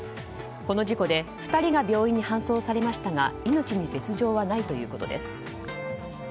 この事故で２人が病院に搬送されましたが命に別条はないということです。